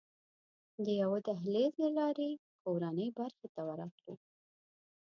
د یوه دهلېز له لارې کورنۍ برخې ته ورغلو.